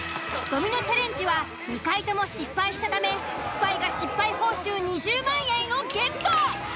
ドミノチャレンジは２回とも失敗したためスパイが失敗報酬２０万円をゲット。